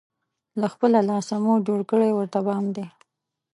له خپل لاسه، مور جوړ کړی ورته بام دی